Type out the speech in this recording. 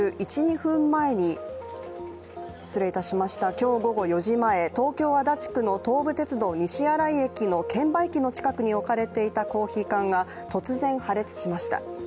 今日午後４時前、東京・足立区の東武鉄道・西新井駅の券売機の近くに置かれていたコーヒー缶が突然破裂しました。